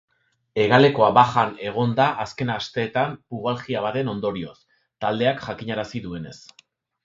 Hegalekoa bajan egon da azken asteetan pubalgia baten ondorioz, taldeak jakinarazi duenez.